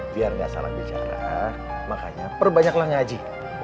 biar nggak salah bicara makanya perbanyaklah ngaji